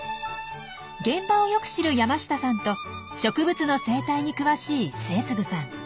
現場をよく知る山下さんと植物の生態に詳しい末次さん。